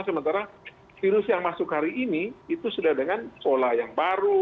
sementara virus yang masuk hari ini itu sudah dengan pola yang baru